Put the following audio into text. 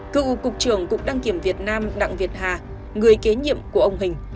cựu cục trưởng cục đăng kiểm việt nam đặng việt hà người kế nhiệm của ông hình